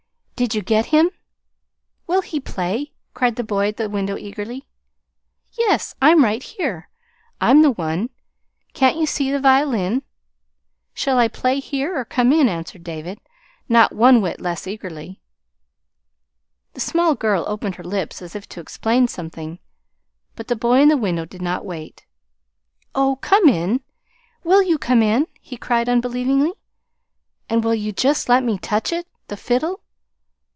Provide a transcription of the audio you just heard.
Did you get him? Will he play?" called the boy at the window eagerly. "Yes, I'm right here. I'm the one. Can't you see the violin? Shall I play here or come in?" answered David, not one whit less eagerly. The small girl opened her lips as if to explain something; but the boy in the window did not wait. "Oh, come in. WILL you come in?" he cried unbelievingly. "And will you just let me touch it the fiddle?